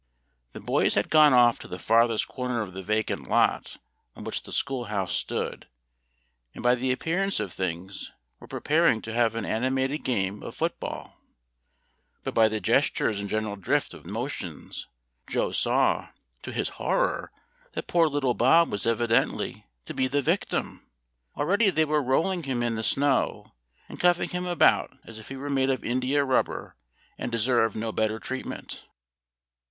The boys had gone off to the farthest corner of the vacant lot on which the school house stood, and by the appearance of things were preparing to have an animated game of foot ball; but by the gestures and general drift of motions Joe saw, to his horror, that poor little Bob was evidently to be the victim. Already they were rolling him in the snow, and cuffing him about as if he were made of India rubber, and deserved no better treatment.